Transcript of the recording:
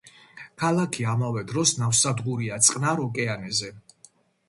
ქალაქი ამავე დროს ნავსადგურია წყნარ ოკეანეზე.